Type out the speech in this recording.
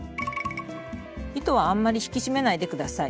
糸はあんまり引き締めないで下さい。